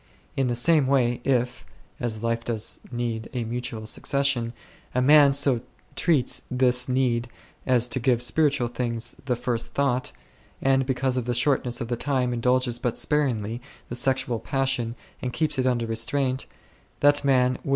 In the same way, if (as life does need a mutual succession) a man so treats this need as to give spiritual things the first thought, and because of the shortness 6 of the time indulges but sparingly the sexual passion and keeps it under restraint, that man would 3 Cf.